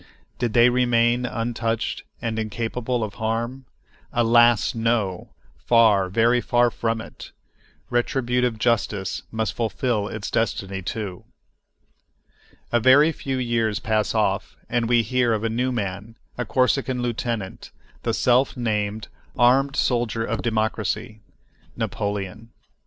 Did they remain untouched and incapable of harm? Alas! no—far, very far, from it. Retributive justice must fulfil its destiny, too.A very few years pass off, and we hear of a new man, a Corsican lieutenant, the self named "armed soldier of democracy," Napoleon.